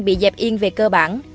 bị dẹp yên về cơ bản